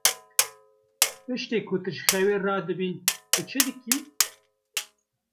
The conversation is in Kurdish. Piştî ku tu ji xewê radibî, tu çi dikî?